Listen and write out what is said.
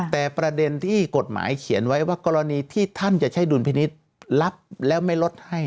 แต่ประเด็นที่กฎหมายเขียนไว้ว่ากรณีที่ท่านจะใช้ดุลพินิษฐ์รับแล้วไม่ลดให้